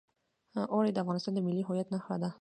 اوړي د افغانستان د ملي هویت نښه ده.